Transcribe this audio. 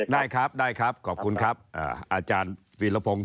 ได้ครับได้ครับขอบคุณครับอาจารย์วีรพงศ์